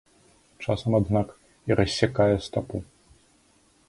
Часам, аднак, і рассякае стапу.